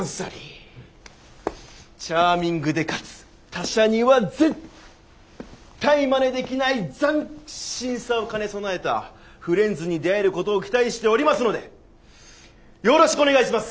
チャーミングでかつ他社には絶対まねできない斬新さを兼ね備えたフレンズに出会えることを期待しておりますのでよろしくお願いします！